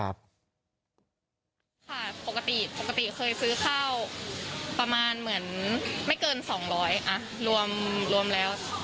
ปกติปกติเคยซื้อข้าวประมาณเหมือนไม่เกิน๒๐๐รวมแล้ว